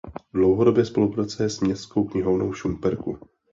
Dlouhodobě spolupracuje s Městskou knihovnou v Šumperku.